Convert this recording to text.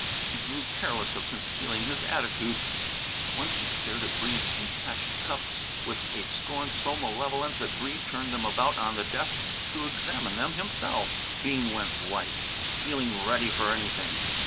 He grew careless of concealing his attitude. Once he stared at Breede's detached cuffs with a scorn so malevolent that Breede turned them about on the desk to examine them himself. Bean went white, feeling "ready for anything!"